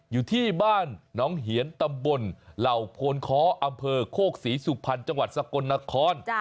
อยู่ที่บ้านน้องเหียนตำบลเหล่าโพนค้ออำเภอโคกศรีสุพรรณจังหวัดสกลนคร